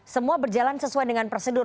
semua berjalan sesuai dengan prosedur